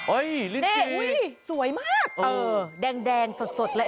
โอ้ยลิ้นจี่สวยมากแดงสดเลย